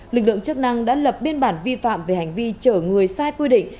lực lượng chức năng đã lập biên bản vi phạm về hành vi chở người sai quy định